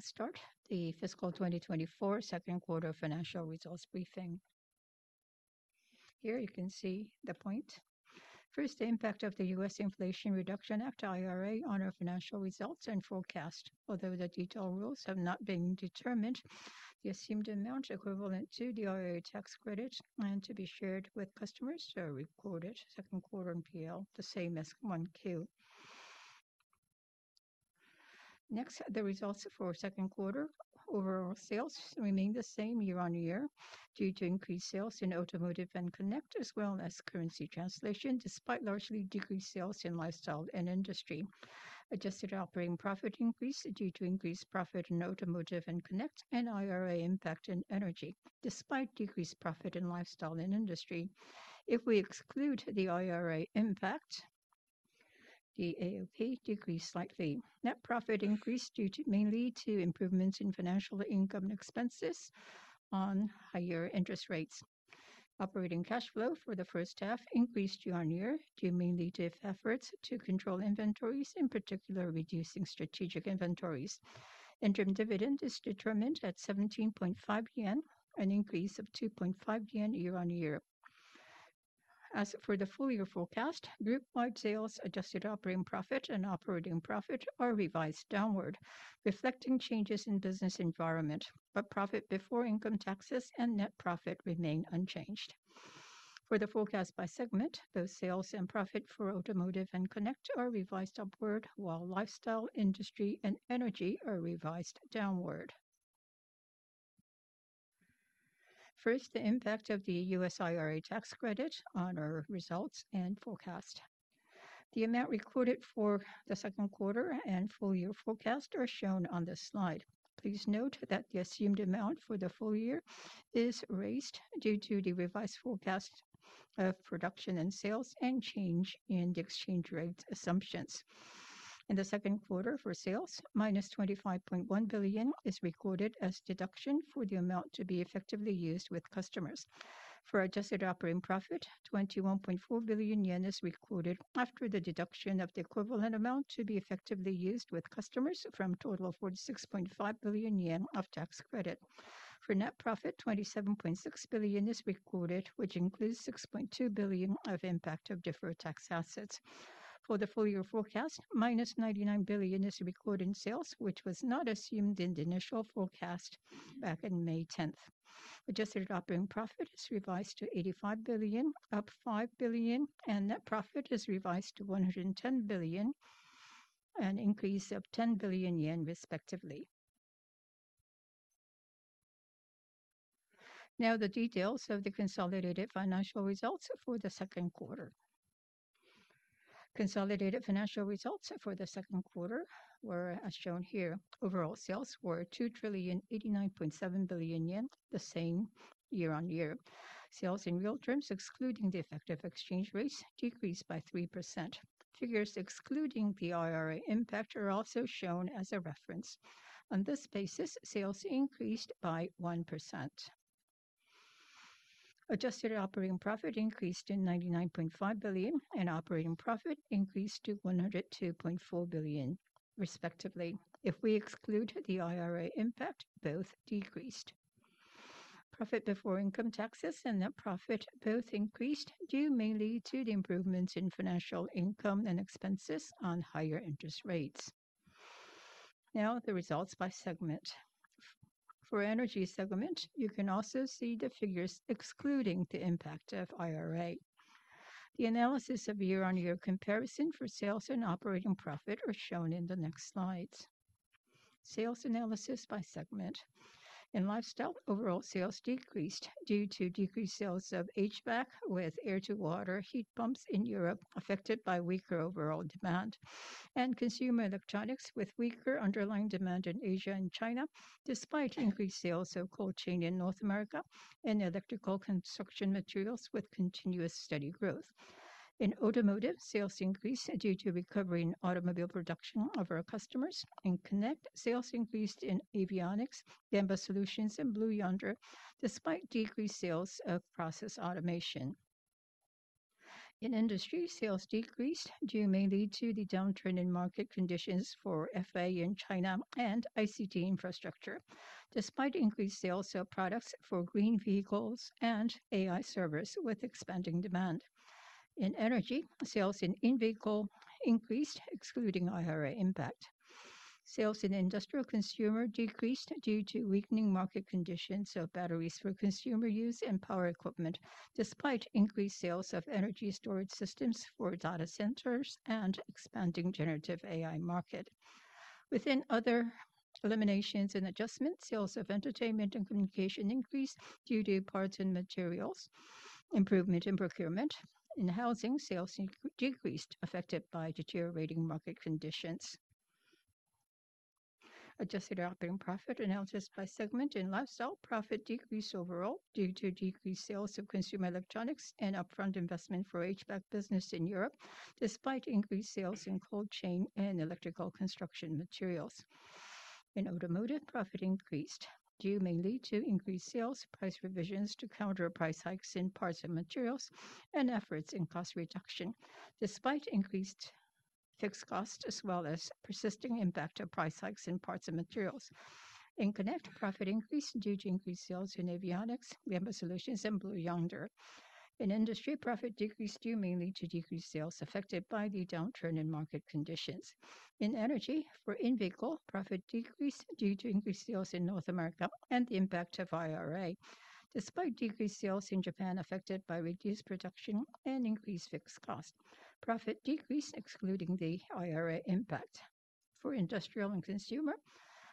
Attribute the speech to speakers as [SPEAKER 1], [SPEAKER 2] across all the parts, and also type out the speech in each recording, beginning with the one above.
[SPEAKER 1] I will now start the fiscal 2024 second quarter financial results briefing. Here you can see the point. First, the impact of the U.S. Inflation Reduction Act, IRA, on our financial results and forecast. Although the detailed rules have not been determined, the assumed amount equivalent to the IRA tax credit and to be shared with customers are recorded second quarter P&L, the same as 1Q. Next, the results for second quarter. Overall sales remain the same year-on-year, due to increased sales in Automotive and Connect, as well as currency translation, despite largely decreased sales in Lifestyle and Industry. Adjusted Operating Profit increased due to increased profit in Automotive and Connect, and IRA impact in Energy, despite decreased profit in Lifestyle and Industry. If we exclude the IRA impact, the AOP decreased slightly. Net profit increased due to, mainly to improvements in financial income and expenses on higher interest rates. Operating cash flow for the first half increased year-on-year, due mainly to efforts to control inventories, in particular, reducing strategic inventories. Interim dividend is determined at 17.5 yen, an increase of 2.5 yen year-on-year. As for the full year forecast, group-wide sales, Adjusted Operating Profit and Operating Profit are revised downward, reflecting changes in business environment, but profit before income taxes and net profit remain unchanged. For the forecast by segment, both sales and profit for Automotive and Connect are revised upward, while Lifestyle, Industry, and Energy are revised downward. First, the impact of the U.S. IRA tax credit on our results and forecast. The amount recorded for the second quarter and full year forecast are shown on this slide. Please note that the assumed amount for the full year is raised due to the revised forecast of production and sales and change in the exchange rates assumptions. In the second quarter, for sales, -25.1 billion is recorded as deduction for the amount to be effectively used with customers. For Adjusted Operating Profit, 21.4 billion yen is recorded after the deduction of the equivalent amount to be effectively used with customers from a total of 46.5 billion yen of tax credit. For net profit, 27.6 billion is recorded, which includes 6.2 billion of impact of deferred tax assets. For the full year forecast, -99 billion is recorded in sales, which was not assumed in the initial forecast back in May 10th. Adjusted Operating Profit is revised to 85 billion, up 5 billion, and net profit is revised to 110 billion, an increase of 10 billion yen, respectively. Now, the details of the consolidated financial results for the second quarter. Consolidated financial results for the second quarter were as shown here. Overall sales were 2,089.7 billion yen, the same year-on-year. Sales in real terms, excluding the effect of exchange rates, decreased by 3%. Figures excluding the IRA impact are also shown as a reference. On this basis, sales increased by 1%. Adjusted Operating Profit increased in 99.5 billion, and Operating Profit increased to 102.4 billion, respectively. If we exclude the IRA impact, both decreased. Profit before income taxes and net profit both increased, due mainly to the improvements in financial income and expenses on higher interest rates. Now, the results by segment. For Energy segment, you can also see the figures excluding the impact of IRA. The analysis of year-over-year comparison for sales and Operating Profit are shown in the next slides. Sales analysis by segment. In Lifestyle, overall sales decreased due to decreased sales of HVAC, with air-to-water heat pumps in Europe affected by weaker overall demand, and consumer electronics, with weaker underlying demand in Asia and China, despite increased sales of cold chain in North America and electrical construction materials with continuous steady growth. In Automotive, sales increased due to recovery in automobile production of our customers. In Connect, sales increased in Avionics, Gemba Solutions, and Blue Yonder, despite decreased sales of process automation. In Industry, sales decreased due mainly to the downturn in market conditions for FA in China and ICT infrastructure, despite increased sales of products for green vehicles and AI servers with expanding demand. In Energy, sales in-vehicle increased, excluding IRA impact. Sales in Industrial and Consumer decreased due to weakening market conditions of batteries for consumer use and power equipment, despite increased sales of Energy storage systems for data centers and expanding generative AI market. Within other eliminations and adjustments, sales of entertainment and communication increased due to parts and materials, improvement in procurement. In housing, sales decreased, affected by deteriorating market conditions. Adjusted Operating Profit analysis by segment. In Lifestyle, profit decreased overall due to decreased sales of consumer electronics and upfront investment for HVAC business in Europe, despite increased sales in cold chain and electrical construction materials. In Automotive, profit increased due mainly to increased sales, price revisions to counter price hikes in parts and materials, and efforts in cost reduction, despite increased fixed cost, as well as persisting impact of price hikes in parts and materials. In Connect, profit increased due to increased sales in Avionics, Gemba Solutions, and Blue Yonder. In Industry, profit decreased due mainly to decreased sales affected by the downturn in market conditions. In Energy, for In-vehicle, profit decreased due to increased sales in North America and the impact of IRA. Despite decreased sales in Japan affected by reduced production and increased fixed cost, profit decreased, excluding the IRA impact. For Industrial and Consumer,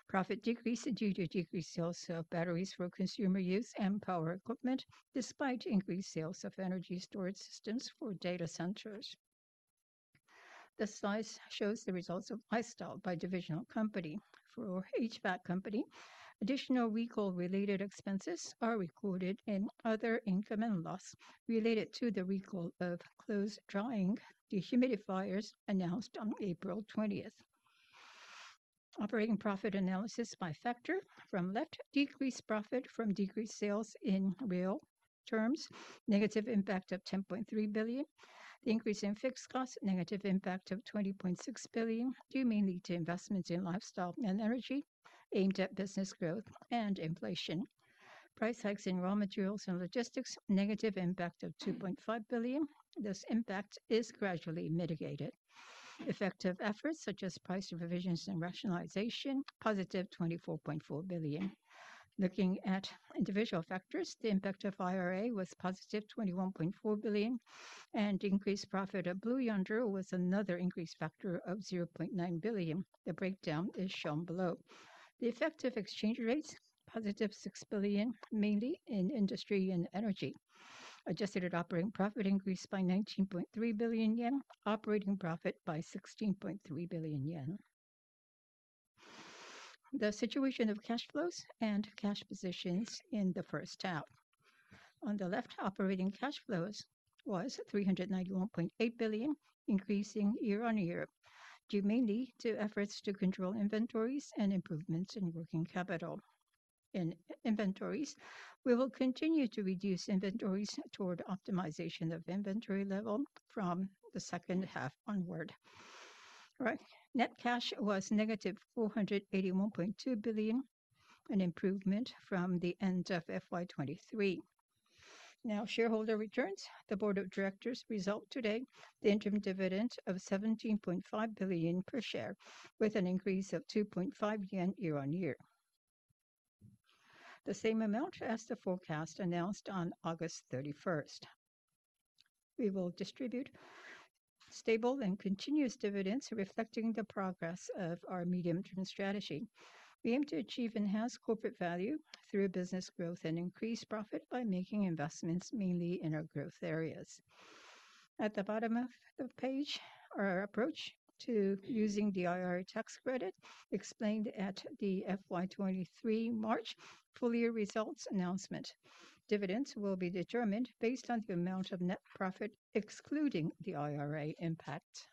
[SPEAKER 1] profit decreased due to decreased sales of batteries for consumer use and power equipment, despite increased sales of Energy storage systems for data centers. This slide shows the results of Lifestyle by divisional company. For HVAC Company, additional recall-related expenses are recorded in other income and loss related to the recall of clothes drying dehumidifiers announced on April 20. Operating profit analysis by factor. From left, decreased profit from decreased sales in real terms, negative impact of 10.3 billion. The increase in fixed cost, negative impact of 20.6 billion, due mainly to investments in Lifestyle and Energy aimed at business growth and inflation. Price hikes in raw materials and logistics, negative impact of 2.5 billion. This impact is gradually mitigated. Effective efforts, such as price revisions and rationalization, positive 24.4 billion. Looking at individual factors, the impact of IRA was positive 21.4 billion, and increased profit of Blue Yonder was another increase factor of 0.9 billion. The breakdown is shown below. The effect of exchange rates, positive 6 billion, mainly in industry and Energy. Adjusted Operating Profit increased by 19.3 billion yen, Operating Profit by 16.3 billion yen. The situation of cash flows and cash positions in the first half. On the left, operating cash flows was 391.8 billion, increasing year on year, due mainly to efforts to control inventories and improvements in working capital. In inventories, we will continue to reduce inventories toward optimization of inventory level from the second half onward. All right, net cash was negative 481.2 billion, an improvement from the end of FY 2023. Now, shareholder returns. The board of directors' result today, the interim dividend of 17.5 per share, with an increase of 2.5 yen year on year.
[SPEAKER 2] The same amount as the forecast announced on August 31st. We will distribute stable and continuous dividends, reflecting the progress of our medium-term strategy. We aim to achieve enhanced corporate value through business growth and increased profit by making investments mainly in our growth areas. At the bottom of the page, our approach to using the IRA tax credit explained at the FY 2023 March full year results announcement. Dividends will be determined based on the amount of net profit, excluding the IRA impact.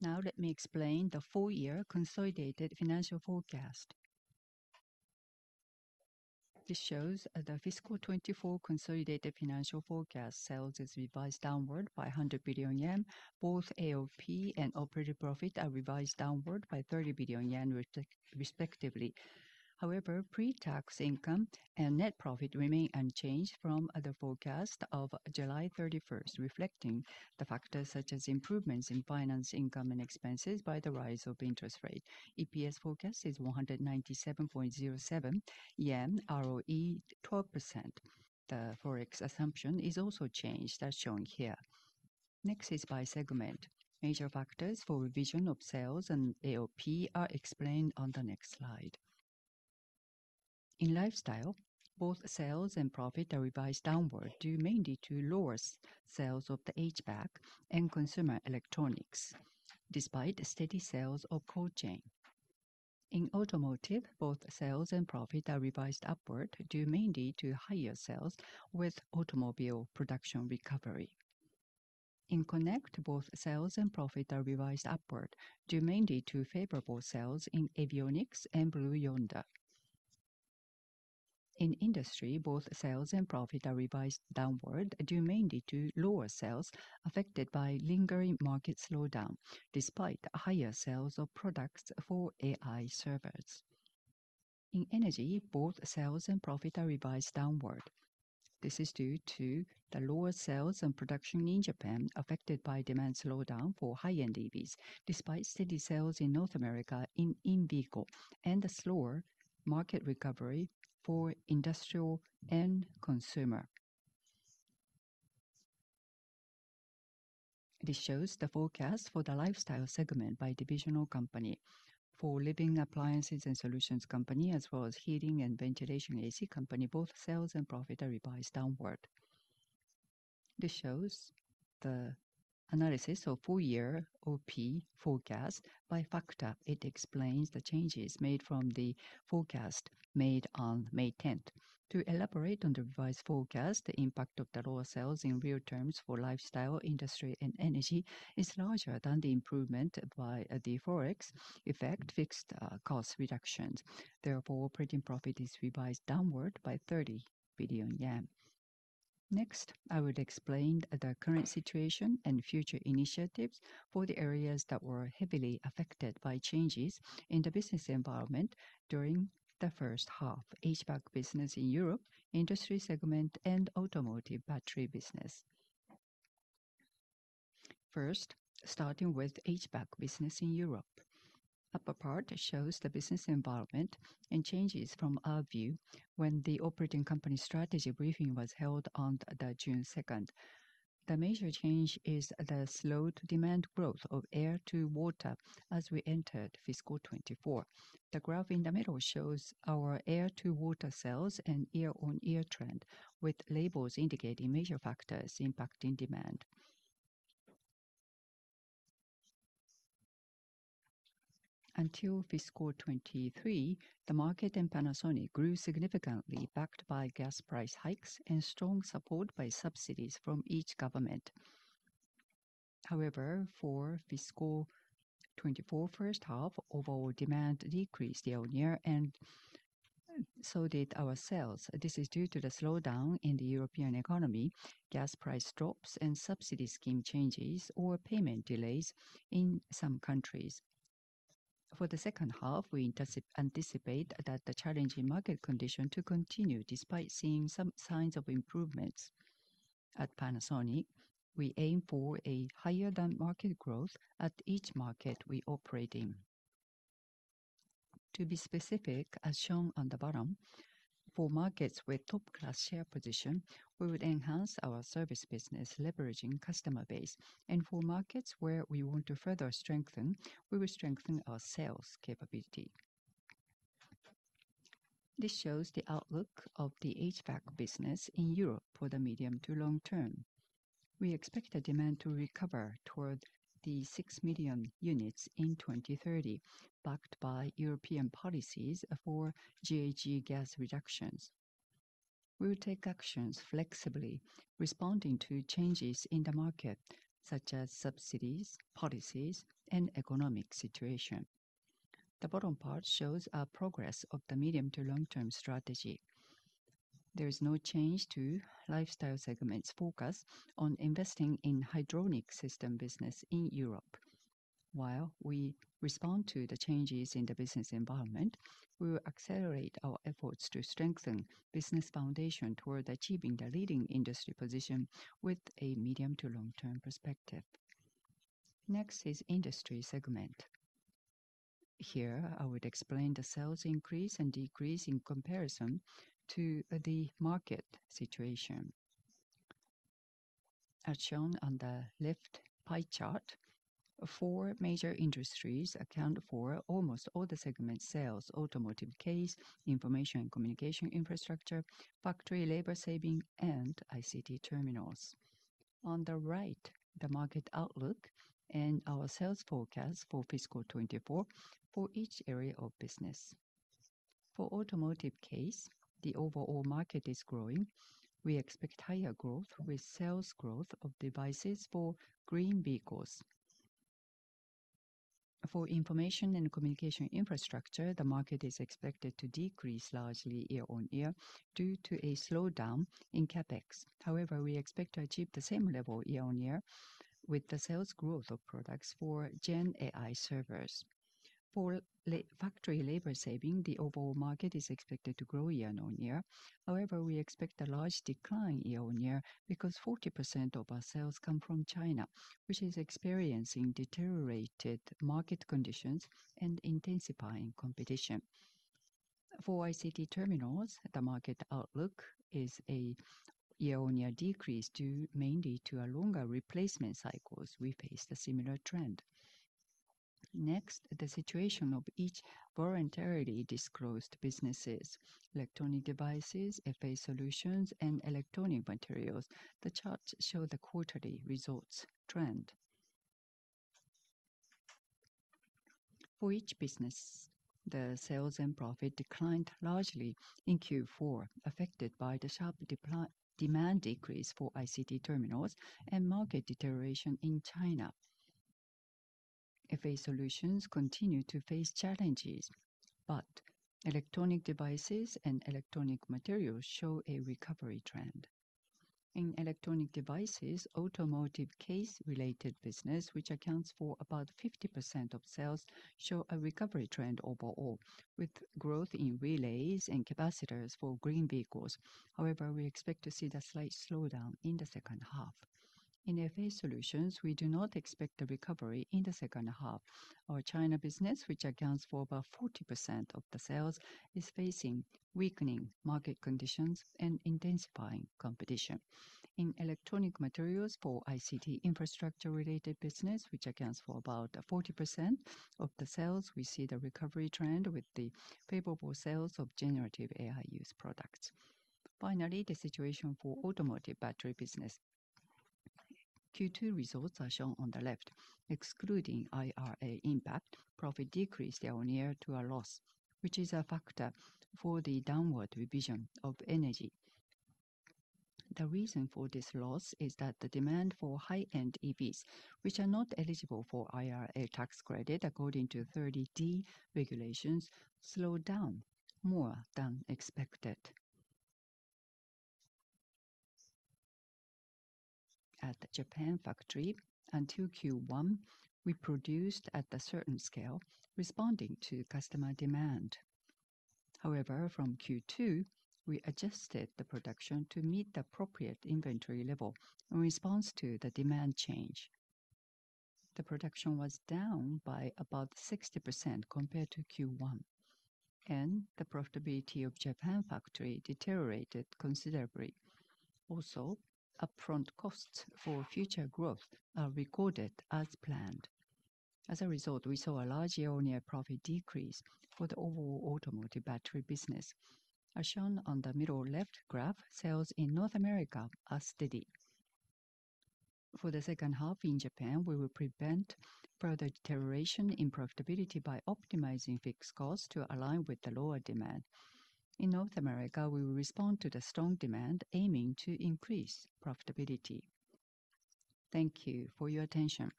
[SPEAKER 1] Now, let me explain the full year consolidated financial forecast. This shows the fiscal 2024 consolidated financial forecast. Sales is revised downward by 100 billion yen. Both AOP and Operating Profit are revised downward by 30 billion yen, respectively. However, pre-tax income and net profit remain unchanged from the forecast of July 31, reflecting the factors such as improvements in finance, income, and expenses by the rise of interest rate. EPS forecast is 197.07 yen, ROE 12%. The Forex assumption is also changed, as shown here. Next is by segment. Major factors for revision of sales and AOP are explained on the next slide. In Lifestyle, both sales and profit are revised downward, due mainly to lower sales of the HVAC and consumer electronics, despite steady sales of Cold Chain. In Automotive, both sales and profit are revised upward, due mainly to higher sales with automobile production recovery. In Connect, both sales and profit are revised upward, due mainly to favorable sales in Avionics and Blue Yonder. In Industry, both sales and profit are revised downward, due mainly to lower sales affected by lingering market slowdown, despite higher sales of products for AI servers. In Energy, both sales and profit are revised downward. This is due to the lower sales and production in Japan, affected by demand slowdown for high-end EVs, despite steady sales in North America in in-vehicle and the slower market recovery for industrial and consumer. This shows the forecast for the Lifestyle segment by divisional company. For Living Appliances and Solutions Company, as well as Heating and Ventilation A/C Company, both sales and profit are revised downward. This shows the analysis of full-year OP forecast by factor. It explains the changes made from the forecast made on May 10. To elaborate on the revised forecast, the impact of the lower sales in real terms for Lifestyle, industry, and Energy is larger than the improvement by the Forex effect, fixed cost reductions. Therefore, Operating Profit is revised downward by 30 billion yen. Next, I will explain the current situation and future initiatives for the areas that were heavily affected by changes in the business environment during the first half: HVAC business in Europe, Industry segment, and Automotive battery business. First, starting with HVAC business in Europe. Upper part shows the business environment and changes from our view when the operating company strategy briefing was held on June 2. The major change is the slowed demand growth of air-to-water as we entered fiscal 2024. The graph in the middle shows our air-to-water sales and year-on-year trend, with labels indicating major factors impacting demand. Until fiscal 2023, the market and Panasonic grew significantly, backed by gas price hikes and strong support by subsidies from each government. However, for fiscal 2024 first half, overall demand decreased year-on-year, and so did our sales. This is due to the slowdown in the European economy, gas price drops, and subsidy scheme changes or payment delays in some countries. For the second half, we anticipate that the challenging market condition to continue despite seeing some signs of improvements. At Panasonic, we aim for a higher than market growth at each market we operate in. To be specific, as shown on the bottom, for markets with top-class share position, we would enhance our service business, leveraging customer base. For markets where we want to further strengthen, we will strengthen our sales capability. This shows the outlook of the HVAC business in Europe for the medium- to long-term. We expect the demand to recover toward 6 million units in 2030, backed by European policies for GHG gas reductions. We will take actions flexibly, responding to changes in the market, such as subsidies, policies, and economic situation. The bottom part shows our progress of the medium- to long-term strategy. There is no change to Lifestyle segment's focus on investing in hydraulic system business in Europe. While we respond to the changes in the business environment, we will accelerate our efforts to strengthen business foundation toward achieving the leading industry position with a medium- to long-term perspective. Next is Industry segment. Here, I would explain the sales increase and decrease in comparison to the market situation. As shown on the left pie chart, four major industries account for almost all the segment sales: automotive CASE, information and communication infrastructure, factory labor saving, and ICT terminals. On the right, the market outlook and our sales forecast for fiscal 2024 for each area of business. For automotive CASE, the overall market is growing. We expect higher growth with sales growth of devices for green vehicles. For information and communication infrastructure, the market is expected to decrease largely year-on-year due to a slowdown in CapEx. However, we expect to achieve the same level year-on-year with the sales growth of products for Gen AI servers. For factory labor saving, the overall market is expected to grow year-on-year. However, we expect a large decline year-on-year because 40% of our sales come from China, which is experiencing deteriorated market conditions and intensifying competition. For ICT terminals, the market outlook is a year-on-year decrease due mainly to a longer replacement cycles. We face the similar trend. Next, the situation of each voluntarily disclosed businesses: electronic devices, FA solutions, and electronic materials. The charts show the quarterly results trend. For each business, the sales and profit declined largely in Q4, affected by the sharp demand decrease for ICT terminals and market deterioration in China. FA solutions continue to face challenges, but electronic devices and electronic materials show a recovery trend. In electronic devices, automotive CASE-related business, which accounts for about 50% of sales, show a recovery trend overall, with growth in relays and capacitors for green vehicles. However, we expect to see the slight slowdown in the second half. In FA solutions, we do not expect a recovery in the second half. Our China business, which accounts for about 40% of the sales, is facing weakening market conditions and intensifying competition. In electronic materials for ICT infrastructure-related business, which accounts for about 40% of the sales, we see the recovery trend with the favorable sales of generative AI use products. Finally, the situation for automotive battery business. Q2 results are shown on the left. Excluding IRA impact, profit decreased year-on-year to a loss, which is a factor for the downward revision of Energy. The reason for this loss is that the demand for high-end EVs, which are not eligible for IRA tax credit according to 30D regulations, slowed down more than expected. ... The Japan factory, until Q1, we produced at a certain scale, responding to customer demand. However, from Q2, we adjusted the production to meet the appropriate inventory level in response to the demand change. The production was down by about 60% compared to Q1, and the profitability of Japan factory deteriorated considerably. Also, upfront costs for future growth are recorded as planned. As a result, we saw a large year-on-year profit decrease for the overall automotive battery business. As shown on the middle-left graph, sales in North America are steady. For the second half in Japan, we will prevent further deterioration in profitability by optimizing fixed costs to align with the lower demand. In North America, we will respond to the strong demand, aiming to increase profitability. Thank you for your attention.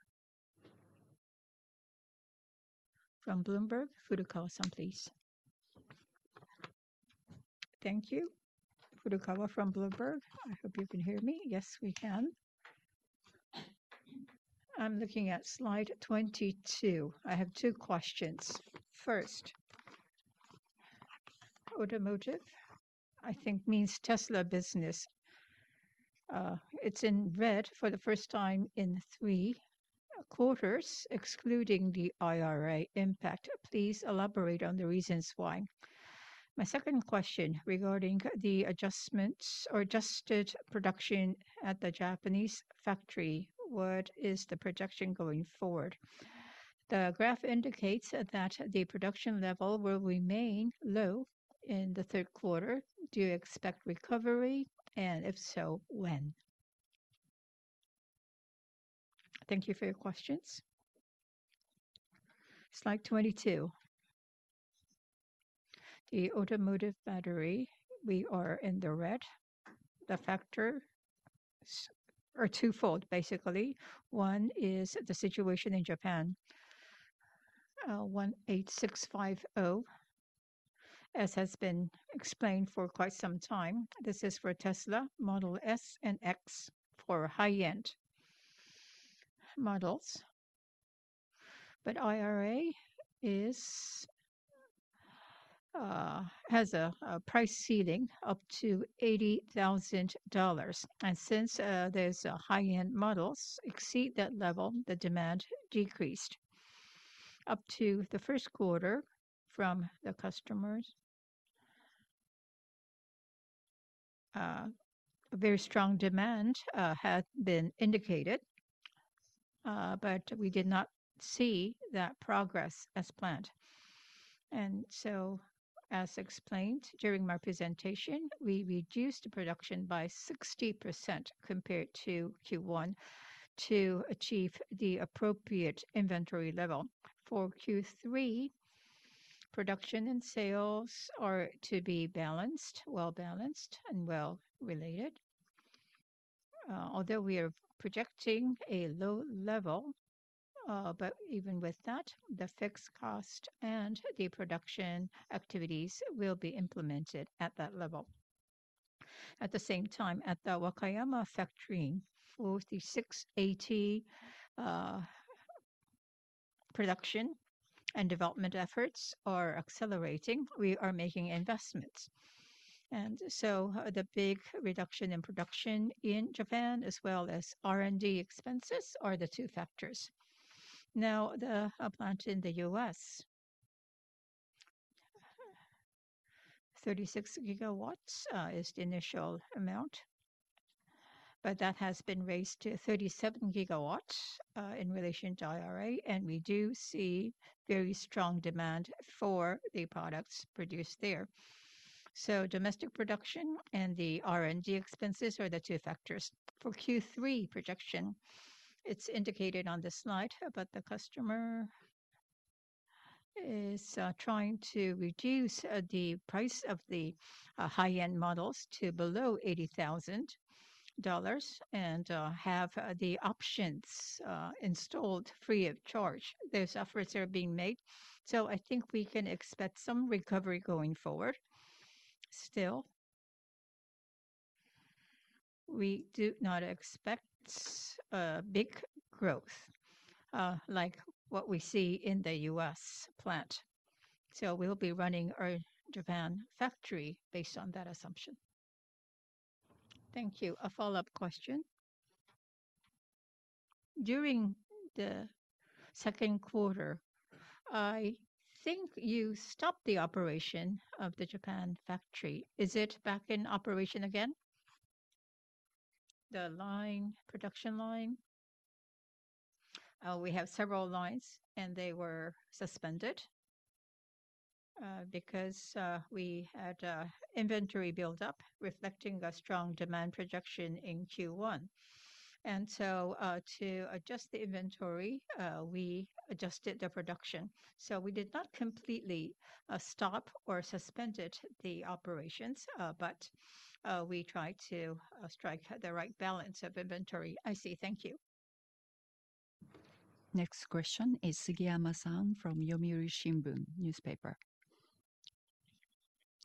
[SPEAKER 3] From Bloomberg, Furukawa-san, please.
[SPEAKER 4] Thank you. Furukawa from Bloomberg. I hope you can hear me.
[SPEAKER 3] Yes, we can.
[SPEAKER 4] I'm looking at slide 22. I have two questions. First, automotive, I think, means Tesla business. It's in red for the first time in three quarters, excluding the IRA impact. Please elaborate on the reasons why. My second question regarding the adjustments or adjusted production at the Japanese factory, what is the projection going forward? The graph indicates that the production level will remain low in the third quarter. Do you expect recovery, and if so, when? Thank you for your questions. Slide 22. The automotive battery, we are in the red. The factors are twofold, basically. One is the situation in Japan. 18650, as has been explained for quite some time, this is for Tesla Model S and Model X for high-end models. But IRA is...
[SPEAKER 2] has a price ceiling up to $80,000, and since those high-end models exceed that level, the demand decreased. Up to the first quarter from the customers, a very strong demand had been indicated, but we did not see that progress as planned. And so, as explained during my presentation, we reduced the production by 60% compared to Q1 to achieve the appropriate inventory level. For Q3, production and sales are to be balanced, well-balanced and well-related. Although we are projecting a low level, but even with that, the fixed cost and the production activities will be implemented at that level. At the same time, at the Wakayama factory, 4680 production and development efforts are accelerating. We are making investments. And so the big reduction in production in Japan, as well as R&D expenses, are the two factors. Now, the plant in the U.S., 36 GWh, is the initial amount, but that has been raised to 37 GWh in relation to IRA, and we do see very strong demand for the products produced there. So domestic production and the R&D expenses are the two factors. For Q3 projection, it's indicated on the slide, but the customer is trying to reduce the price of the high-end models to below $80,000 and have the options installed free of charge. Those efforts are being made, so I think we can expect some recovery going forward. Still, we do not expect a big growth like what we see in the U.S. plant. So we'll be running our Japan factory based on that assumption.
[SPEAKER 4] Thank you. A follow-up question. During the second quarter, I think you stopped the operation of the Japan factory. Is it back in operation again? The line, production line?
[SPEAKER 2] We have several lines, and they were suspended because we had a inventory build-up reflecting the strong demand projection in Q1. And so, to adjust the inventory, we adjusted the production. So we did not completely stop or suspended the operations, but we tried to strike the right balance of inventory.
[SPEAKER 4] I see. Thank you.
[SPEAKER 3] Next question is Sugiyama-san from Yomiuri Shimbun Newspaper.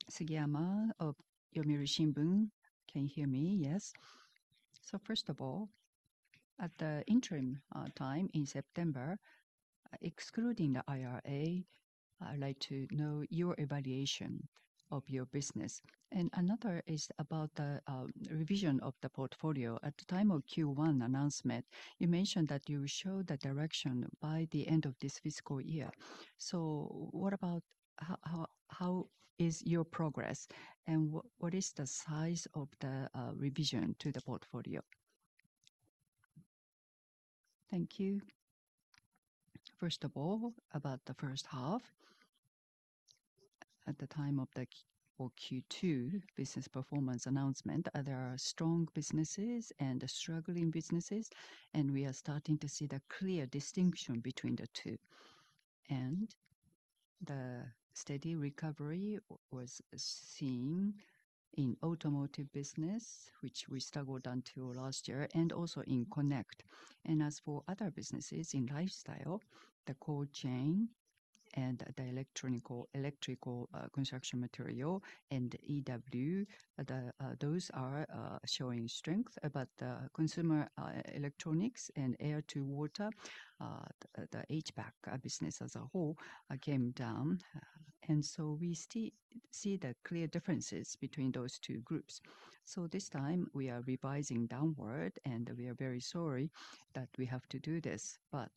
[SPEAKER 5] Sugiyama of Yomiuri Shimbun. Can you hear me?
[SPEAKER 3] Yes.
[SPEAKER 5] So first of all, at the interim time in September, excluding the IRA, I'd like to know your evaluation of your business. And another is about the revision of the portfolio. At the time of Q1 announcement, you mentioned that you would show the direction by the end of this fiscal year. So what about how is your progress, and what is the size of the revision to the portfolio?
[SPEAKER 2] Thank you. First of all, about the first half. At the time of the Q2 business performance announcement, there are strong businesses and struggling businesses, and we are starting to see the clear distinction between the two. And the steady recovery was seen in automotive business, which we struggled until last year, and also in Connect. And as for other businesses, in Lifestyle, the Cold Chain and the electrical construction material and EW, those are showing strength, but consumer electronics and air to water, the HVAC business as a whole came down. And so we still see the clear differences between those two groups. So this time we are revising downward, and we are very sorry that we have to do this, but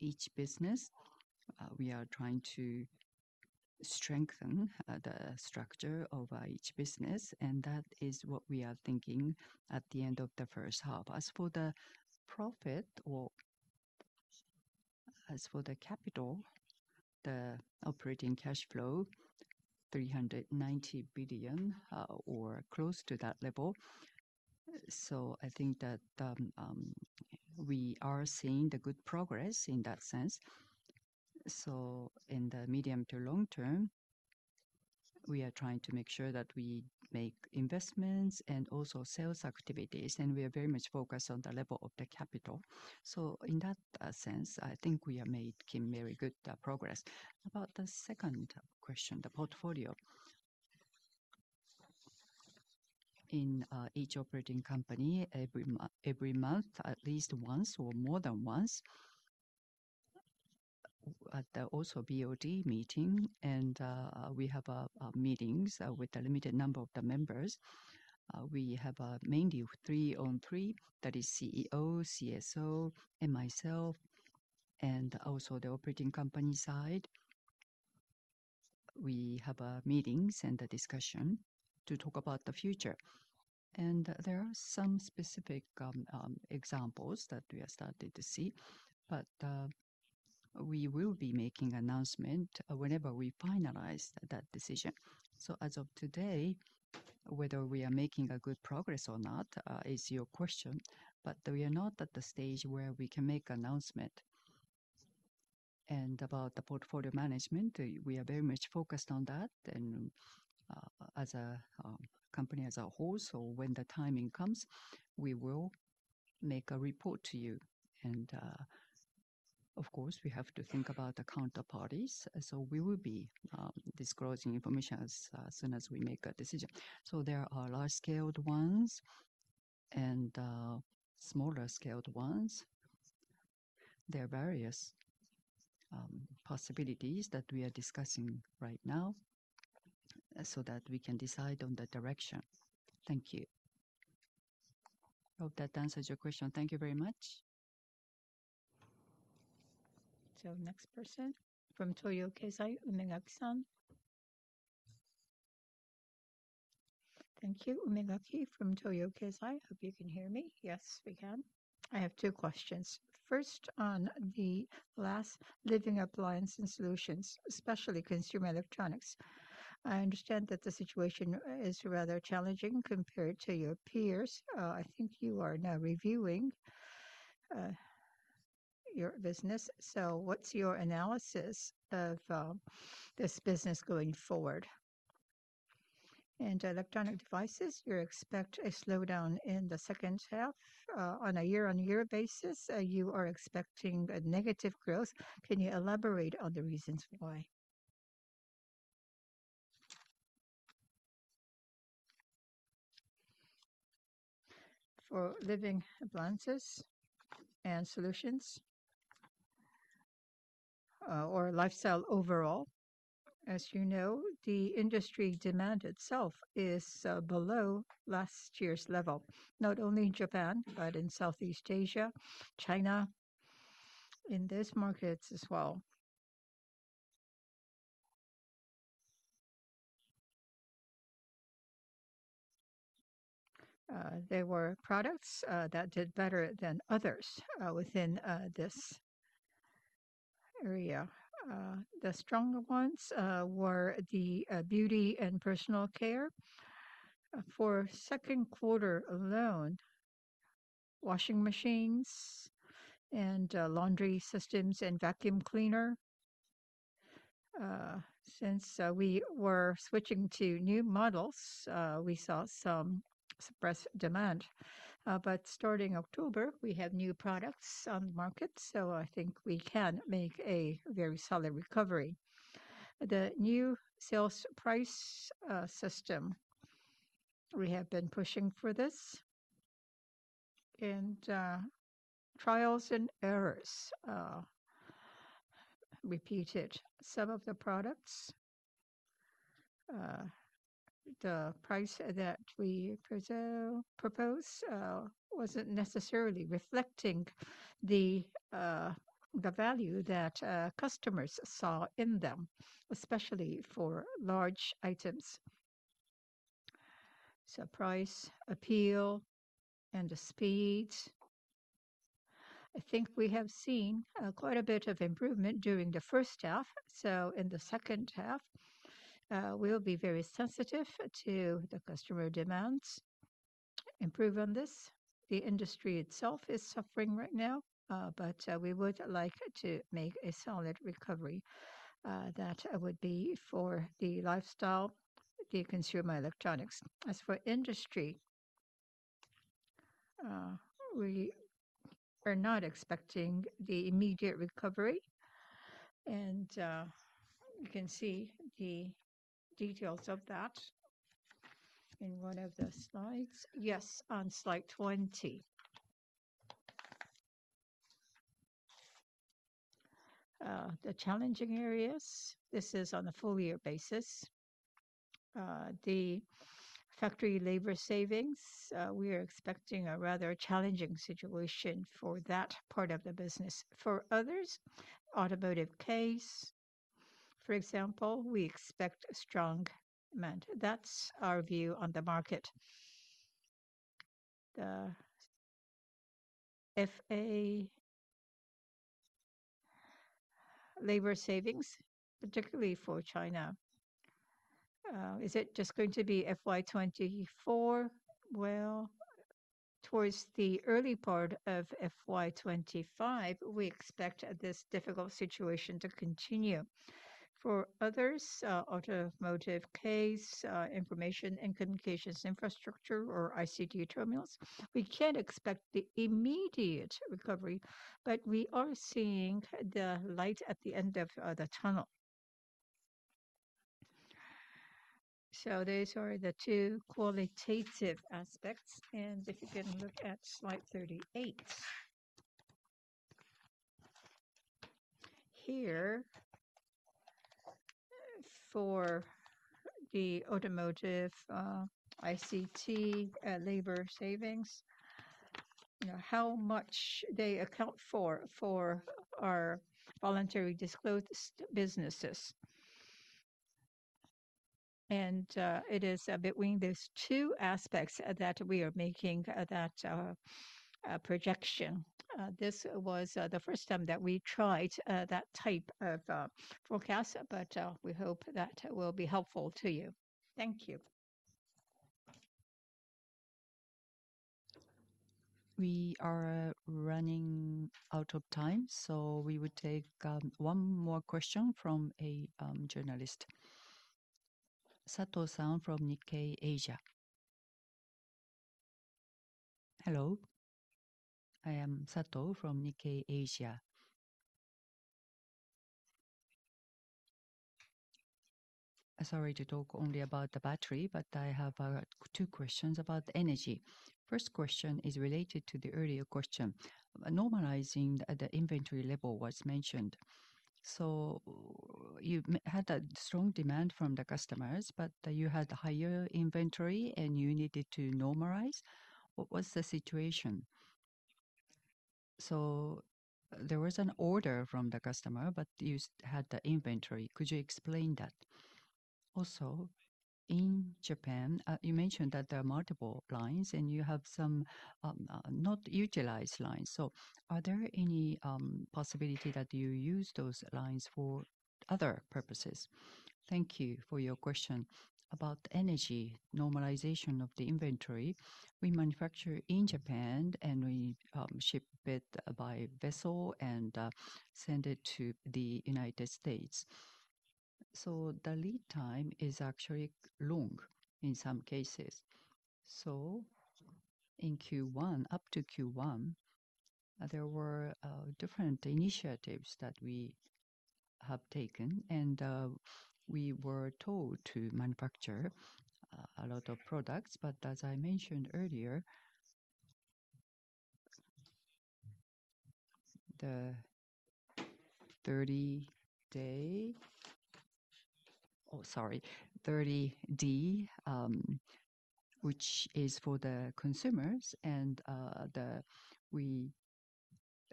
[SPEAKER 2] each business we are trying to strengthen the structure of each business, and that is what we are thinking at the end of the first half. As for the profit or as for the capital, the operating cash flow, 390 billion, or close to that level. So I think that, we are seeing the good progress in that sense. So in the medium to long term, we are trying to make sure that we make investments and also sales activities, and we are very much focused on the level of the capital. So in that sense, I think we have making very good progress. About the second question, the portfolio. In each operating company, every month, at least once or more than once, at also BOD meeting and we have meetings with a limited number of the members. We have mainly three on three, that is CEO, CSO, and myself, and also the operating company side. We have meetings and a discussion to talk about the future, and there are some specific examples that we have started to see, but we will be making announcement whenever we finalize that decision. So as of today, whether we are making a good progress or not is your question, but we are not at the stage where we can make announcement. About the portfolio management, we are very much focused on that and as a company as a whole. So when the timing comes, we will make a report to you. Of course, we have to think about the counterparties, so we will be disclosing information as soon as we make a decision. So there are large-scaled ones and smaller-scaled ones. There are various possibilities that we are discussing right now, so that we can decide on the direction. Thank you. Hope that answers your question.
[SPEAKER 5] Thank you very much.
[SPEAKER 3] So next person, from Toyo Keizai, Umegaki-san.
[SPEAKER 6] Thank you. Umegaki from Toyo Keizai. Hope you can hear me.
[SPEAKER 3] Yes, we can.
[SPEAKER 6] I have two questions. First, on Living Appliances and Solutions, especially consumer electronics. I understand that the situation is rather challenging compared to your peers. I think you are now reviewing your business. So what's your analysis of this business going forward? And electronic devices, you expect a slowdown in the second half. On a year-on-year basis, you are expecting a negative growth. Can you elaborate on the reasons why?
[SPEAKER 2] For Living Appliances and Solutions, or Lifestyle overall, as you know, the industry demand itself is below last year's level, not only in Japan, but in Southeast Asia, China, in these markets as well. There were products that did better than others within this area. The stronger ones were the beauty and personal care. For second quarter alone, washing machines and laundry systems and vacuum cleaner. Since we were switching to new models, we saw some suppressed demand. But starting October, we have new products on the market, so I think we can make a very solid recovery. The new sales price system-... We have been pushing for this, and trials and errors, repeated some of the products. The price that we propose wasn't necessarily reflecting the value that customers saw in them, especially for large items. So price appeal and the speed, I think we have seen quite a bit of improvement during the first half, so in the second half, we'll be very sensitive to the customer demands. Improve on this. The industry itself is suffering right now, but we would like to make a solid recovery, that would be for the Lifestyle, the consumer electronics.
[SPEAKER 1] As for Industry, we are not expecting the immediate recovery, and you can see the details of that in one of the slides. Yes, on slide 20. The challenging areas, this is on a full year basis. The factory labor savings, we are expecting a rather challenging situation for that part of the business. For others, automotive CASE, for example, we expect strong demand. That's our view on the market.
[SPEAKER 6] The FA labor savings, particularly for China, is it just going to be FY 2024?
[SPEAKER 1] Well, towards the early part of FY 2025, we expect this difficult situation to continue. For others, automotive CASE, information and communications infrastructure or ICT terminals, we can't expect the immediate recovery, but we are seeing the light at the end of the tunnel. So those are the two qualitative aspects, and if you can look at slide 38. Here, for the automotive, ICT, labor savings, how much they account for, for our voluntary disclosed st- businesses. It is between these two aspects that we are making that projection. This was the first time that we tried that type of forecast, but we hope that will be helpful to you.
[SPEAKER 6] Thank you.
[SPEAKER 3] We are running out of time, so we will take one more question from a journalist. Sato-san from Nikkei Asia.
[SPEAKER 7] Hello, I am Sato from Nikkei Asia. Sorry to talk only about the battery, but I have two questions about Energy. First question is related to the earlier question. Normalizing the inventory level was mentioned. So you had a strong demand from the customers, but you had higher inventory and you needed to normalize. What was the situation? So there was an order from the customer, but you had the inventory. Could you explain that? Also, in Japan, you mentioned that there are multiple lines, and you have some not utilized lines. So are there any possibility that you use those lines for other purposes?
[SPEAKER 2] Thank you for your question. About Energy, normalization of the inventory, we manufacture in Japan, and we ship it by vessel and send it to the United States. So the lead time is actually long in some cases. So in Q1, up to Q1, there were different initiatives that we have taken, and we were told to manufacture a lot of products. But as I mentioned earlier, the 30-day... Oh, sorry, 30D, which is for the consumers and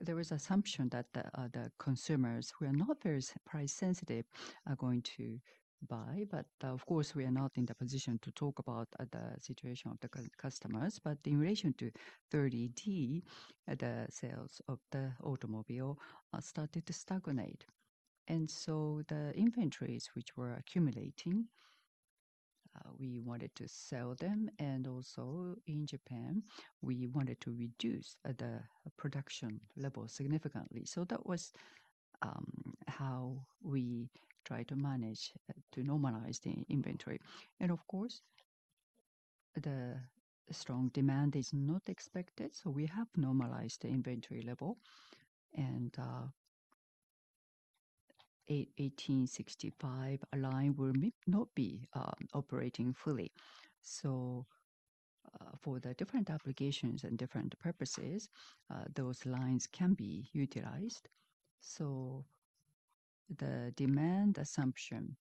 [SPEAKER 2] there was assumption that the consumers, who are not very price sensitive, are going to buy. But of course, we are not in the position to talk about the situation of the customers. But in relation to 30D, the sales of the automobile started to stagnate. And so the inventories, which were accumulating, we wanted to sell them, and also in Japan, we wanted to reduce the production level significantly. So that was how we tried to manage to normalize the inventory. And of course, the strong demand is not expected, so we have normalized the inventory level, and 18650 a line may not be operating fully. So for the different applications and different purposes, those lines can be utilized. So the demand assumption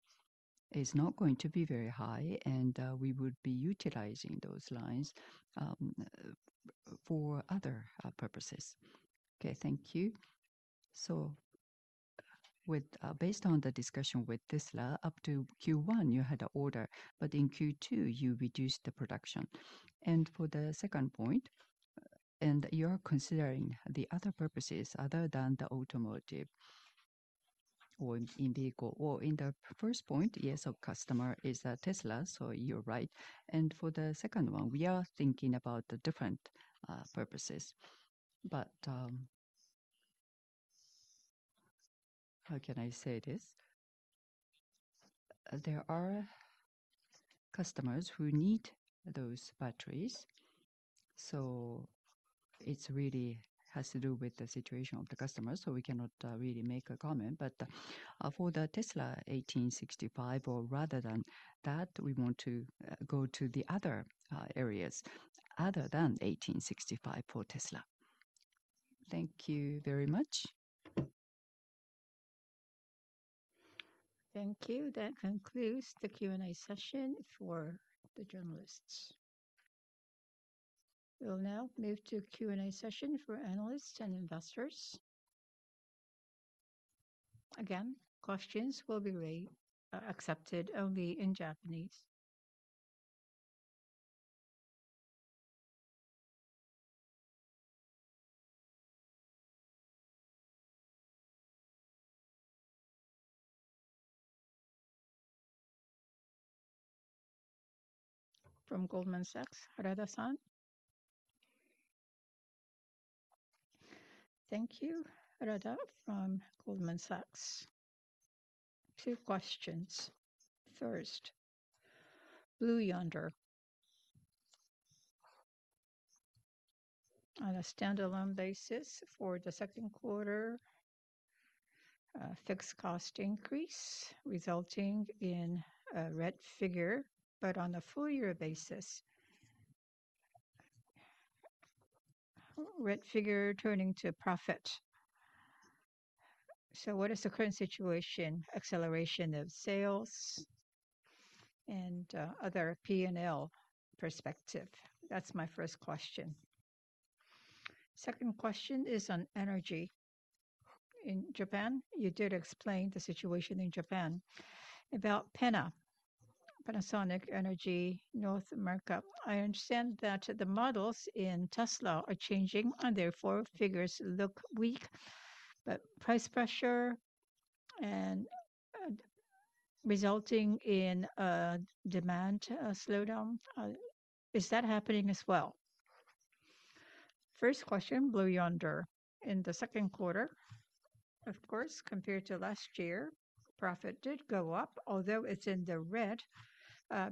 [SPEAKER 2] is not going to be very high, and we would be utilizing those lines for other purposes.
[SPEAKER 7] Okay, thank you. So with based on the discussion with Tesla, up to Q1, you had a order, but in Q2, you reduced the production. And for the second point, and you're considering the other purposes other than the automotive or in vehicle. Or in the first point, yes, our customer is Tesla, so you're right. And for the second one, we are thinking about the different purposes. But, how can I say this?
[SPEAKER 2] There are customers who need those batteries, so it's really has to do with the situation of the customer, so we cannot really make a comment. But, for the Tesla 18650, or rather than that, we want to go to the other areas other than 18650 for Tesla. Thank you very much.
[SPEAKER 3] Thank you. That concludes the Q&A session for the journalists. We'll now move to Q&A session for analysts and investors. Again, questions will be re-accepted only in Japanese. From Goldman Sachs, Harada-san.
[SPEAKER 8] Thank you, Harada from Goldman Sachs. Two questions. First, Blue Yonder. On a standalone basis for the second quarter, fixed cost increase, resulting in a red figure, but on a full year basis, red figure turning to profit. What is the current situation, acceleration of sales and other P&L perspective? That's my first question. Second question is on Energy. In Japan, you did explain the situation in Japan. About PENA, Panasonic Energy North America, I understand that the models in Tesla are changing, and therefore, figures look weak, but price pressure and resulting in a demand slowdown. Is that happening as well?
[SPEAKER 1] First question, Blue Yonder. In the second quarter, of course, compared to last year, profit did go up, although it's in the red,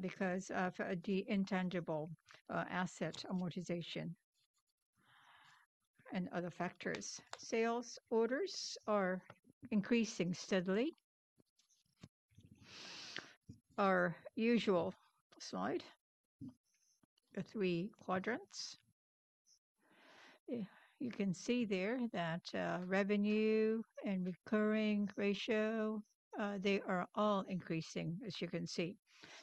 [SPEAKER 1] because of a de-intangible asset amortization and other factors. Sales orders are increasing steadily. Our usual slide, the three quadrants. You can see there that revenue and recurring ratio they are all increasing, as you can see.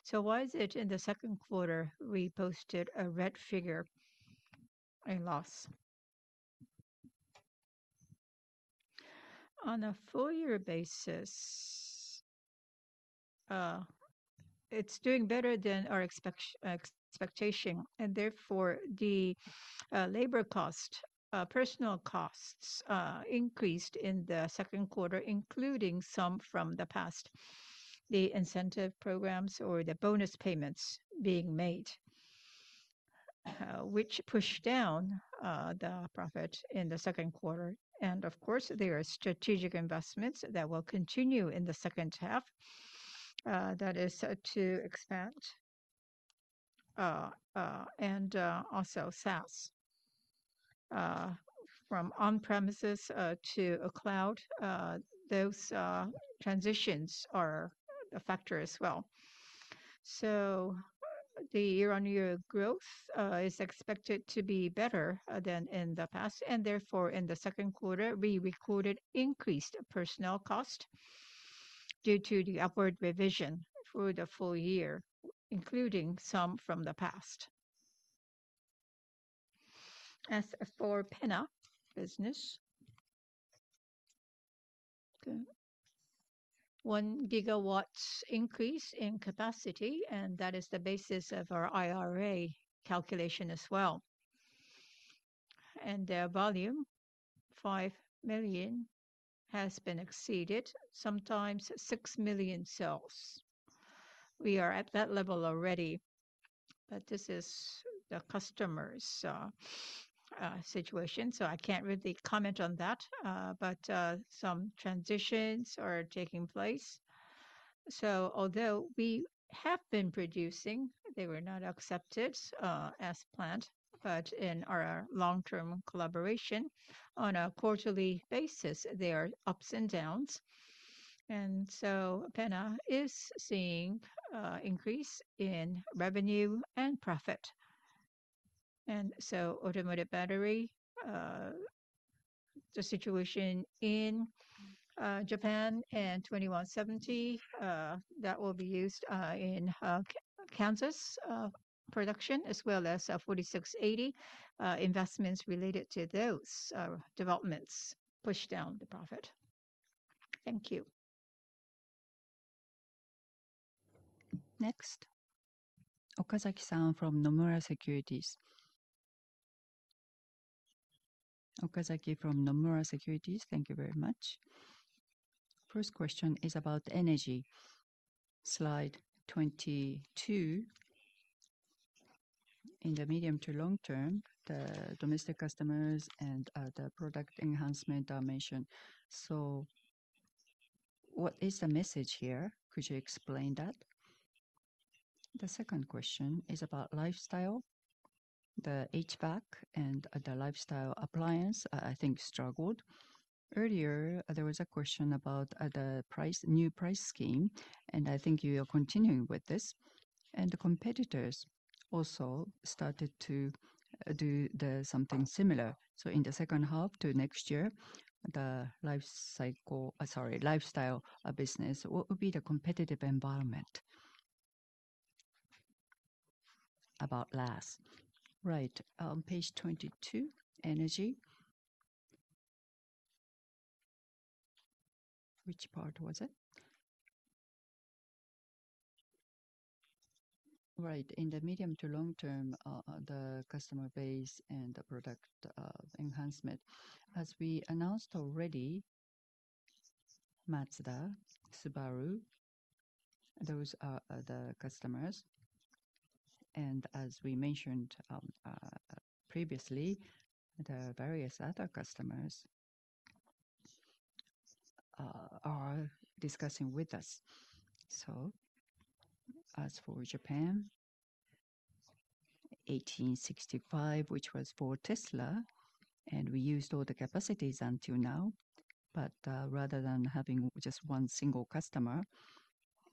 [SPEAKER 1] So why is it in the second quarter we posted a red figure and loss? On a full year basis, it's doing better than our expectation, and therefore, the labor cost, personnel costs increased in the second quarter, including some from the past, the incentive programs or the bonus payments being made, which pushed down the profit in the second quarter. And of course, there are strategic investments that will continue in the second half, that is, to expand. And also SaaS from on-premises to a cloud. Those transitions are a factor as well. The year-on-year growth is expected to be better than in the past, and therefore, in the second quarter, we recorded increased personnel cost due to the upward revision for the full year, including some from the past.
[SPEAKER 2] As for PENA business, the 1 GWh increase in capacity, and that is the basis of our IRA calculation as well. And their volume, 5 million, has been exceeded, sometimes 6 million cells. We are at that level already, but this is the customer's situation, so I can't really comment on that. But some transitions are taking place. So although we have been producing, they were not accepted as planned, but in our long-term collaboration on a quarterly basis, there are ups and downs. And so PENA is seeing increase in revenue and profit. And so automotive battery, the situation in Japan and 2170, that will be used in Kansas production, as well as our 4680, investments related to those developments, push down the profit.
[SPEAKER 8] Thank you.
[SPEAKER 3] Next, Okazaki-san from Nomura Securities.
[SPEAKER 9] Okazaki from Nomura Securities, thank you very much. First question is about Energy. Slide 22. In the medium to long term, the domestic customers and the product enhancement are mentioned. So what is the message here? Could you explain that? The second question is about Lifestyle . The HVAC and the Lifestyle appliance, I think struggled. Earlier, there was a question about the price, new price scheme, and I think you are continuing with this. And the competitors also started to do something similar. So in the second half to next year, the Lifestyle business, what would be the competitive environment?
[SPEAKER 2] About last. Right, page 22, Energy. Which part was it? Right, in the medium to long term, the customer base and the product enhancement. As we announced already, Mazda, Subaru, those are the customers, and as we mentioned previously, the various other customers are discussing with us. So as for Japan, 18650, which was for Tesla, and we used all the capacities until now, but rather than having just one single customer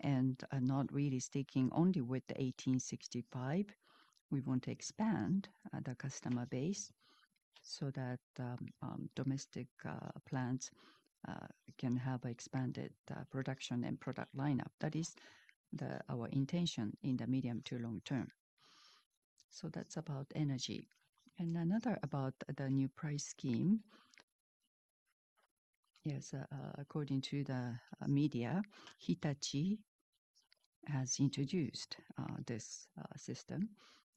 [SPEAKER 2] and not really sticking only with the 18650, we want to expand the customer base so that domestic plants can have expanded production and product lineup. That is our intention in the medium to long term. So that's about Energy. And another about the new price scheme.
[SPEAKER 1] Yes, according to the media, Hitachi has introduced this system,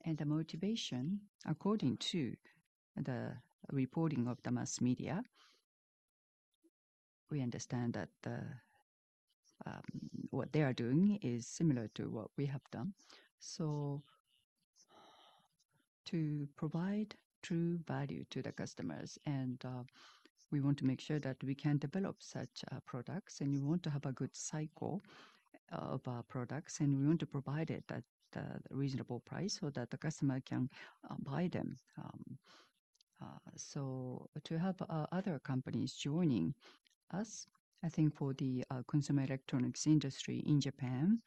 [SPEAKER 1] and the motivation, according to the reporting of the mass media, we understand that what they are doing is similar to what we have done. So to provide true value to the customers, and we want to make sure that we can develop such products, and we want to have a good cycle of our products, and we want to provide it at a reasonable price so that the customer can buy them. So to have other companies joining us, I think for the consumer electronics industry in Japan,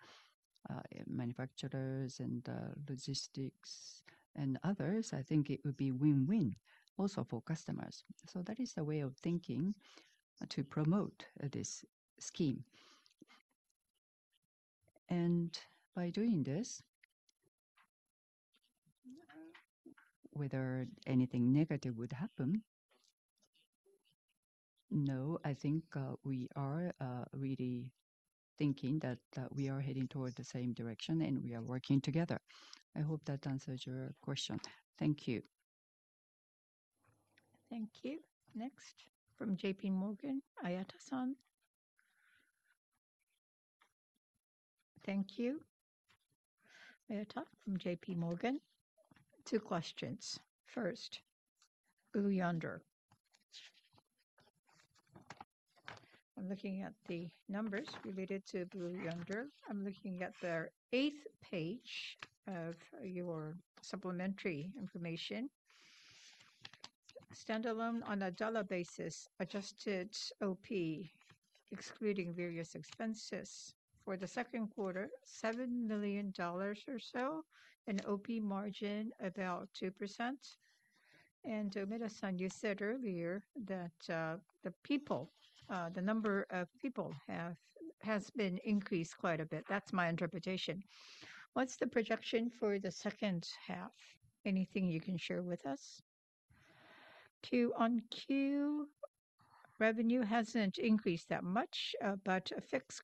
[SPEAKER 1] manufacturers and logistics and others, I think it would be win-win also for customers. So that is the way of thinking to promote this scheme. By doing this, whether anything negative would happen? No, I think, we are really thinking that we are heading toward the same direction and we are working together. I hope that answers your question.
[SPEAKER 9] Thank you.
[SPEAKER 3] Thank you. Next, from J.P. Morgan, Ayata-san.
[SPEAKER 10] Thank you. Ayata from J.P. Morgan. Two questions. First, Blue Yonder. I'm looking at the numbers related to Blue Yonder. I'm looking at the eighth page of your supplementary information. Standalone on a dollar basis, adjusted OP, excluding various expenses. For the second quarter, $7 million or so, and OP margin about 2%. And, Maeda-san, you said earlier that, the people, the number of people have, has been increased quite a bit. That's my interpretation. What's the projection for the second half? Anything you can share with us? Q, on Q, revenue hasn't increased that much, but fixed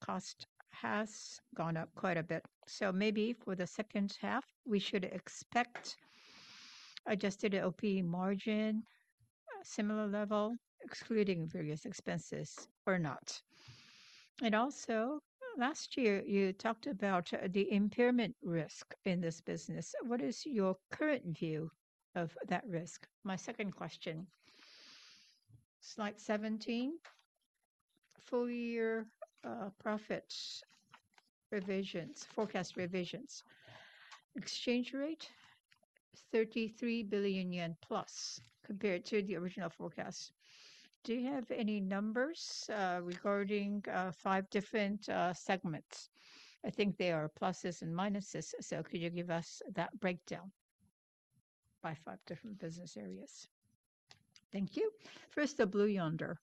[SPEAKER 10] cost has gone up quite a bit. So maybe for the second half, we should expect adjusted OP margin, a similar level, excluding various expenses or not? And also, last year, you talked about the impairment risk in this business. What is your current view of that risk? My second question. Slide 17, full year profit revisions, forecast revisions. Exchange rate, 33 billion yen+ compared to the original forecast. Do you have any numbers regarding 5 different segments? I think they are pluses and minuses, so could you give us that breakdown by 5 different business areas?
[SPEAKER 1] Thank you. First, the Blue Yonder.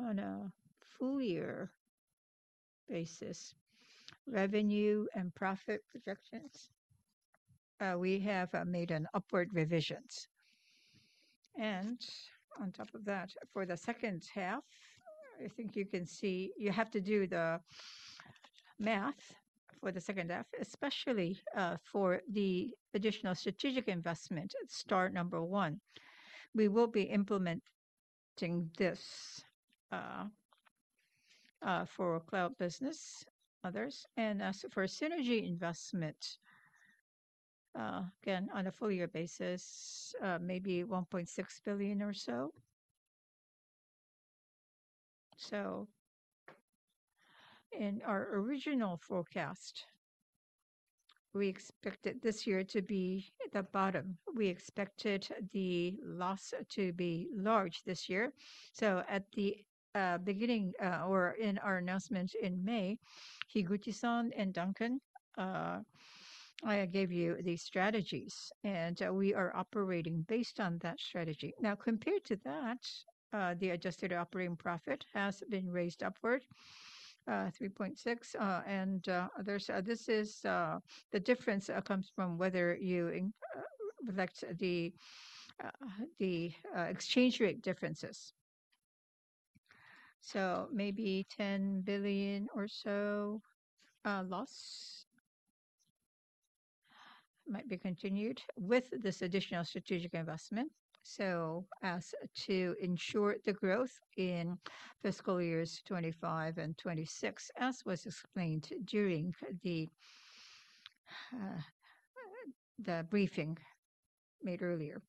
[SPEAKER 1] On a full year basis, revenue and profit projections, we have made an upward revisions. And on top of that, for the second half, I think you can see. You have to do the math for the second half, especially for the additional strategic investment, start number one. We will be implementing this for cloud business, others. As for Synergy investment, again, on a full year basis, maybe 1.6 billion or so. In our original forecast, we expected this year to be at the bottom. We expected the loss to be large this year. At the beginning, or in our announcement in May, Higuchi-san and Duncan, I gave you the strategies, and we are operating based on that strategy. Now, compared to that, the Adjusted Operating Profit has been raised upward, 3.6 billion, and there's, this is, the difference comes from whether you reflect the exchange rate differences. So maybe 10 billion or so loss might be continued with this additional strategic investment, so as to ensure the growth in fiscal years 2025 and 2026, as was explained during the briefing made earlier.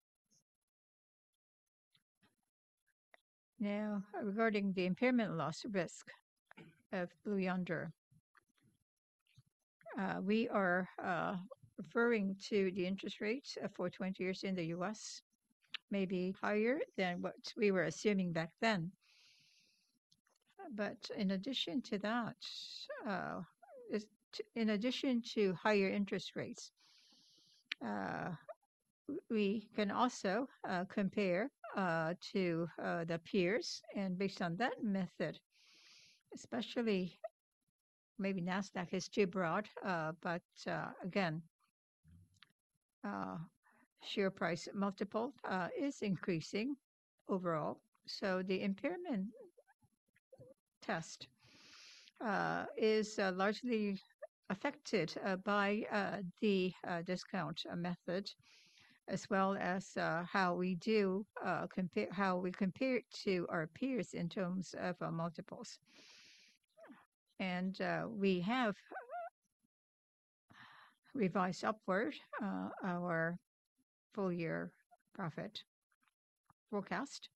[SPEAKER 1] Now, regarding the impairment loss risk of Blue Yonder, we are referring to the interest rate for 20 years in the U.S., maybe higher than what we were assuming back then. But in addition to that, in addition to higher interest rates, we can also compare to the peers, and based on that method, especially maybe Nasdaq is too broad, but again, share price multiple is increasing overall. So the impairment test is largely affected by the discount method, as well as how we compare to our peers in terms of multiples. We have revised upward our full year profit forecast,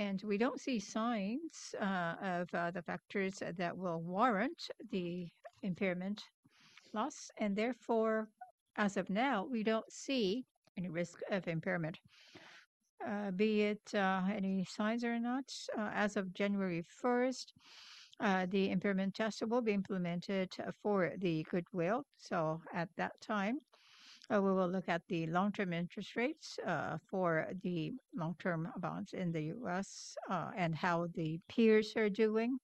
[SPEAKER 1] and we don't see signs of the factors that will warrant the impairment loss, and therefore, as of now, we don't see any risk of impairment. Be it any signs or not, as of January first, the impairment test will be implemented for the goodwill. So at that time we will look at the long-term interest rates for the long-term bonds in the U.S. and how the peers are doing.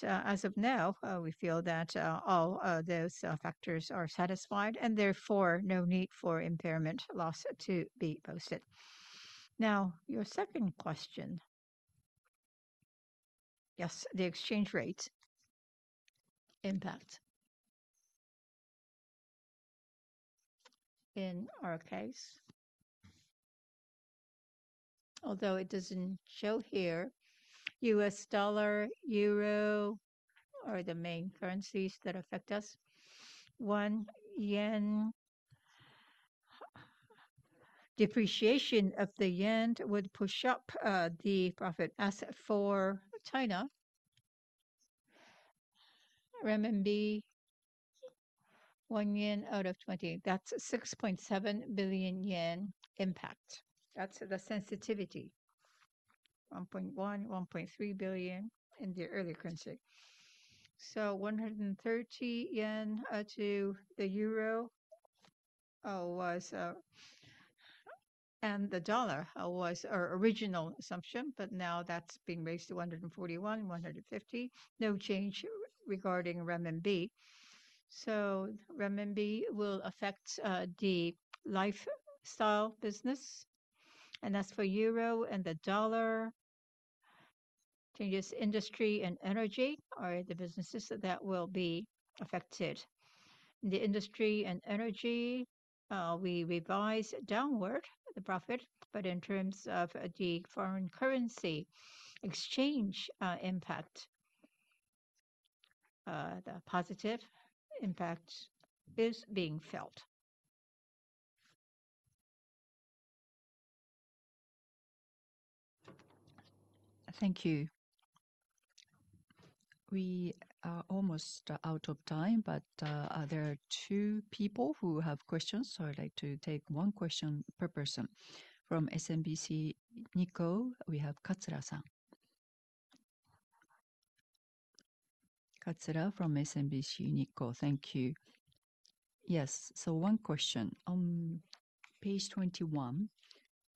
[SPEAKER 1] As of now, we feel that all those factors are satisfied, and therefore, no need for impairment loss to be posted. Now, your second question. Yes, the exchange rate impact. In our case, although it doesn't show here, the US dollar and euro are the main currencies that affect us. One, yen... Depreciation of the yen would push up the profit asset for China. RMB, one yen out of 20, that's 6.7 billion yen impact. That's the sensitivity. 1.1 billion-1.3 billion in the early currency. So 130 yen to the euro was, and the dollar was our original assumption, but now that's being raised to 141-150. No change regarding RMB. So RMB will affect the Lifestyle business, and as for euro and the dollar, changes industry and Energy are the businesses that will be affected. We revised downward the profit, but in terms of the foreign currency exchange impact, the positive impact is being felt.
[SPEAKER 10] Thank you.
[SPEAKER 3] We are almost out of time, but there are two people who have questions, so I'd like to take one question per person. From SMBC Nikko, we have Katsura-san.
[SPEAKER 11] Katsura from SMBC Nikko, thank you. Yes, so one question. On page 21,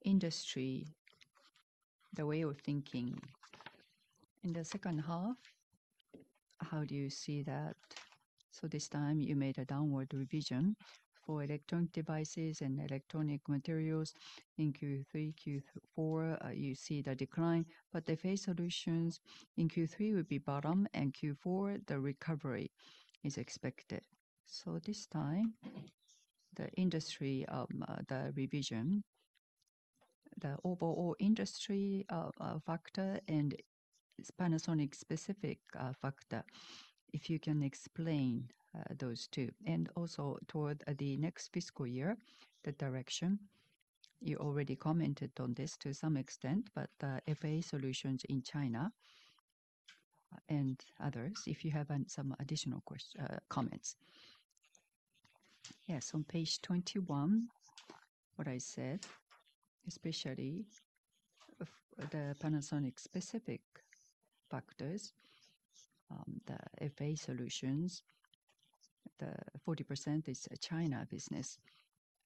[SPEAKER 11] industry, the way of thinking in the second half, how do you see that? So this time you made a downward revision for electronic devices and electronic materials in Q3. Q4, you see the decline, but the FA Solutions in Q3 will be bottom, and Q4, the recovery is expected. So this time, the Industry, the revision, the overall Industry, factor and Panasonic's specific, factor, if you can explain those two. And also toward the next fiscal year, the direction. You already commented on this to some extent, but FA Solutions in China and others, if you have any additional comments.
[SPEAKER 1] Yes, on page 21, what I said, especially of the Panasonic specific factors, the FA solutions, the 40% is a China business.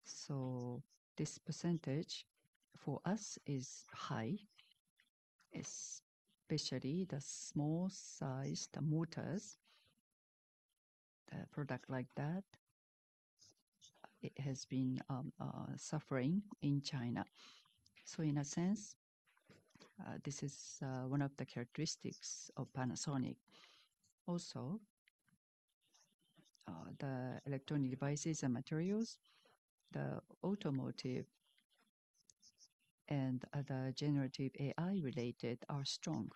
[SPEAKER 1] So this percentage for us is high, especially the small size, the motors, the product like that, it has been suffering in China. So in a sense, this is one of the characteristics of Panasonic. Also, the electronic devices and materials, the automotive and other generative AI-related are strong.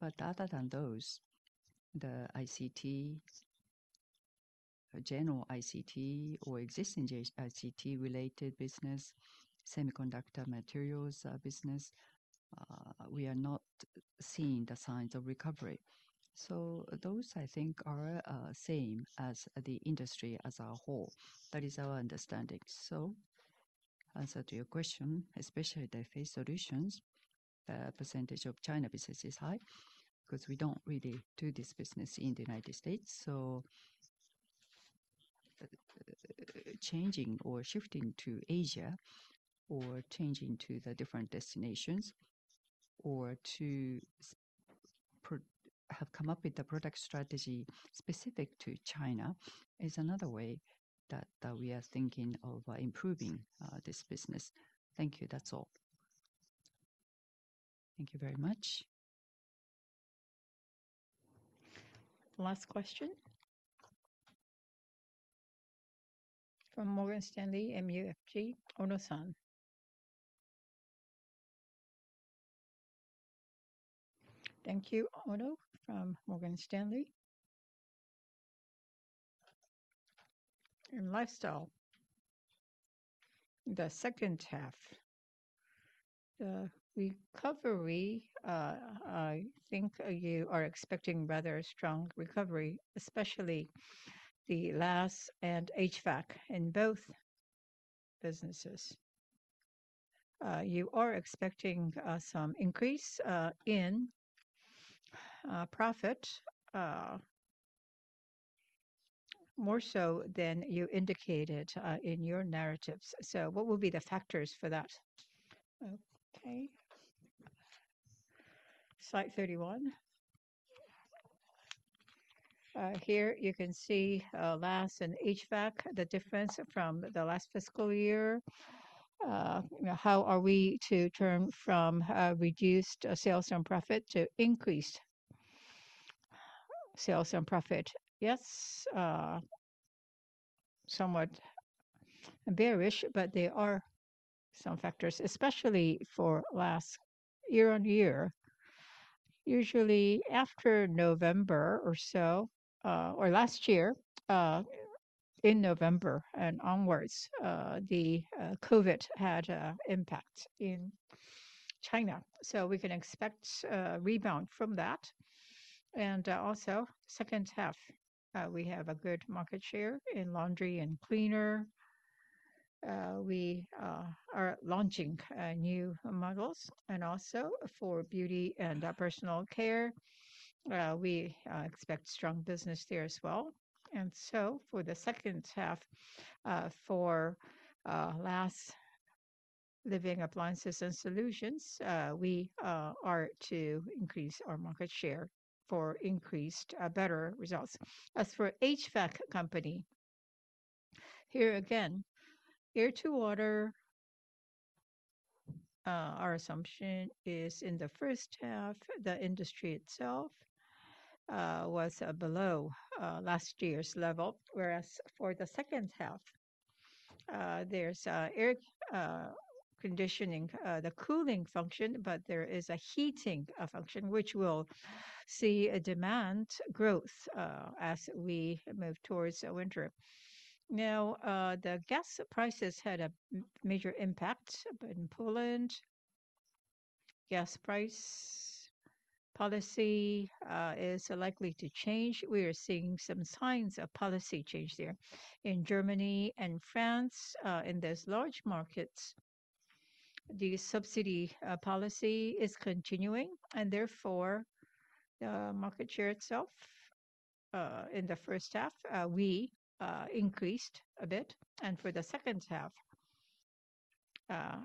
[SPEAKER 1] But other than those, the ICT, general ICT or existing ICT-related business, semiconductor materials business, we are not seeing the signs of recovery. So those, I think, are same as the industry as a whole. That is our understanding. So answer to your question, especially the FA Solutions, the percentage of China business is high, 'cause we don't really do this business in the United States. So, changing or shifting to Asia, or changing to the different destinations, or to have come up with a product strategy specific to China, is another way that we are thinking of improving this business.
[SPEAKER 11] Thank you. That's all.
[SPEAKER 3] Thank you very much. Last question? From Morgan Stanley MUFG, Ono-san.
[SPEAKER 12] Thank you, Ono from Morgan Stanley. In Lifestyle, the second half, the recovery, I think you are expecting rather a strong recovery, especially the LAS and HVAC in both businesses. You are expecting some increase in profit, more so than you indicated in your narratives. So what will be the factors for that?
[SPEAKER 1] Okay. Slide 31. Here you can see LAS and HVAC, the difference from the last fiscal year. How are we to turn from reduced sales and profit to increased sales and profit? Yes, somewhat bearish, but there are some factors, especially for last year-on-year. Usually, after November or so, or last year in November and onwards, the COVID had an impact in China, so we can expect a rebound from that. And second half, we have a good market share in laundry and cleaner.
[SPEAKER 2] We are launching new models and also for beauty and personal care, we expect strong business there as well. And so for the second half, for LAS, Living Appliances and Solutions, we are to increase our market share for increased better results. As for HVAC Company, here again, our assumption is in the first half, the industry itself was below last year's level, whereas for the second half, there's air conditioning the cooling function, but there is a heating function, which will see a demand growth as we move towards winter. Now, the gas prices had a major impact, but in Poland, gas price policy is likely to change. We are seeing some signs of policy change there. In Germany and France, in these large markets, the subsidy policy is continuing, and therefore, the market share itself, in the first half, we increased a bit. And for the second half,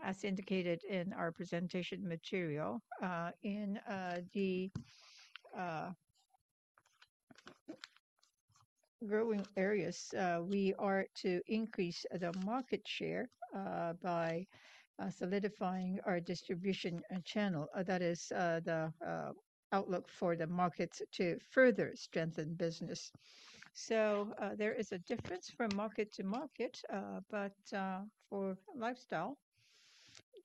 [SPEAKER 2] as indicated in our presentation material, in the growing areas, we are to increase the market share by solidifying our distribution channel. That is the outlook for the market to further strengthen business. So, there is a difference from market to market, but for Lifestyle,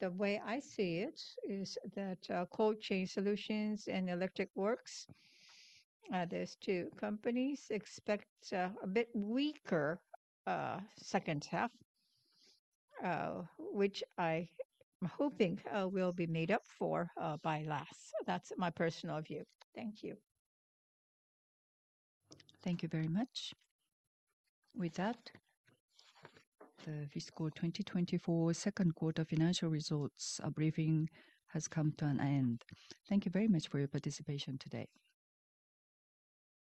[SPEAKER 2] the way I see it, is that Cold Chain Solutions and Electric Works, these two companies expect a bit weaker second half, which I am hoping will be made up for by LAS. That's my personal view.
[SPEAKER 12] Thank you.
[SPEAKER 3] Thank you very much. With that, the fiscal 2024 second quarter financial results briefing has come to an end. Thank you very much for your participation today.